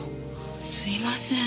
すいません。